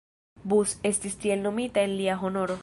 Bus, estis tiel nomita en lia honoro.